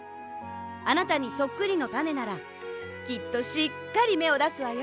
あなたにそっくりのたねならきっとしっかりめをだすわよ。